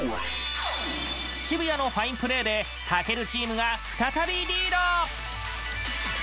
渋谷のファインプレーで健チームが再びリード！